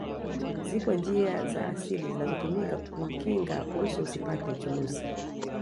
zipo njia za asili zinazotumika kuukinga uso usipate chunusi